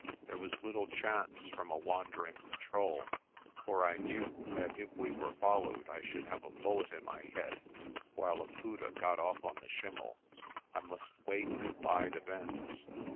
There was little chance from a wandering patrol, for I knew if we were followed I should have a bullet in my head while Laputa got off on the schimmel. I must wait and bide events.